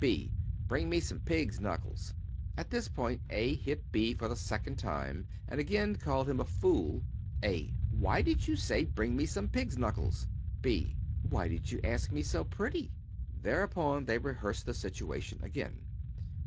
B Bring me some pigs' knuckles. At this point A hit B for the second time and again called him a fool. A Why did you say, "Bring me some pigs' knuckles?" B Why did you ask me so pretty? Thereupon they rehearsed the situation again.